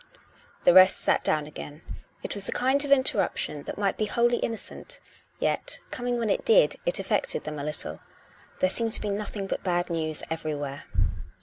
The rest sat down again. It was the kind of interrup tion that might be wholly innocent; yet, coming when it did, it affected them a little. There seemed to be nothing but bad news everywhere.